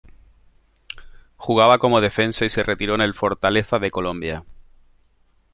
Jugaba como defensa y se retiró en el Fortaleza de Colombia.